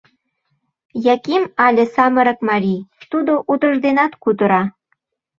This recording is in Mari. Яким але самырык марий, тудо утыжденат кутыра.